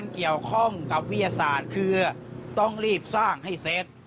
เกี่ยวข้องกับวิทยาศาสตร์คือต้องรีบสร้างให้เสร็จ